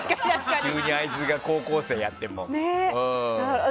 急にあいつが高校生やっても。